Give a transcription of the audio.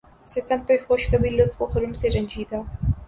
ستم پہ خوش کبھی لطف و کرم سے رنجیدہ